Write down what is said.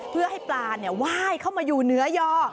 เพื่อให้ปลาไหว้เข้ามาอยู่เหนือย่อ